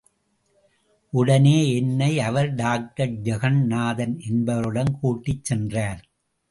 உடனே என்னை அவர் டாக்டர் ஜகந்நாதன் என்பவரிடம் கூட்டிச் சென்றார்.